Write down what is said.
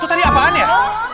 itu tadi apaan ya